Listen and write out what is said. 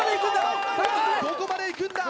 どこまで行くんだ？